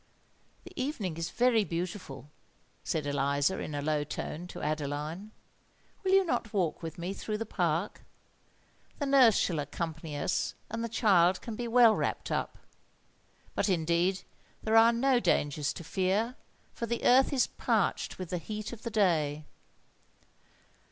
"The evening is very beautiful," said Eliza, in a low tone, to Adeline: "will you not walk with me through the Park? The nurse shall accompany us and the child can be well wrapped up. But, indeed, there are no dangers to fear—for the earth is parched with the heat of the day."